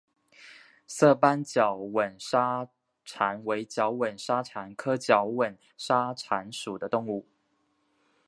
色斑角吻沙蚕为角吻沙蚕科角吻沙蚕属的动物。